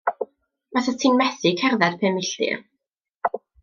Fasat ti'n methu cerdded pum milltir.